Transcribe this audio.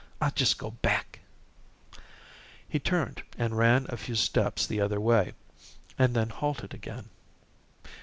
I'll jes' go back." He turned, and ran a few steps the other way, and then halted again.